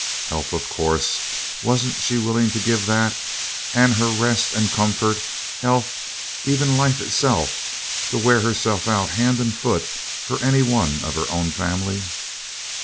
Help, of course; wasn't she willing to give that, and her rest and comfort, health, even life itself, to wear herself out, hand and foot, for any one of her own family?